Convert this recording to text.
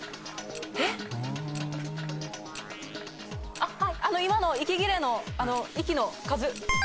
あっはい今の息切れのあの息の数。